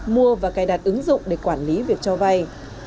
mua và cài đặt ứng dụng để quản lý việc cho vay